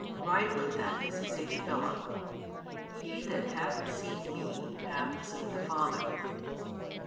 Rightly then does he say to Philip: He that hath seen |261 Me hath seen the Father.